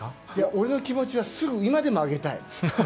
俺の気持ちは今すぐでもあげたい。